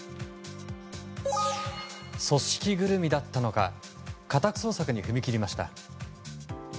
組織ぐるみだったのか家宅捜索に踏み切りました。